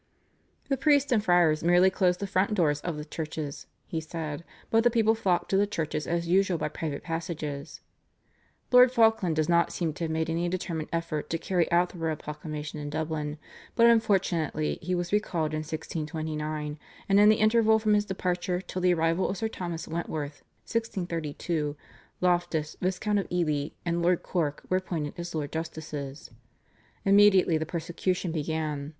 The priests and friars merely closed the front doors of the churches, he said, but the people flocked to the churches as usual by private passages. Lord Falkland does not seem to have made any determined effort to carry out the royal proclamation in Dublin, but unfortunately he was recalled in 1629, and in the interval from his departure till the arrival of Sir Thomas Wentworth (1632) Loftus, Viscount of Ely, and Lord Cork were appointed as Lords Justices. Immediately the persecution began.